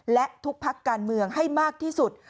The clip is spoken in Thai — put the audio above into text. และทุกพักการเมืองให้มากที่สุด